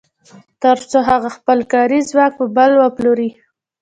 تر څو هغه خپل کاري ځواک په بل وپلوري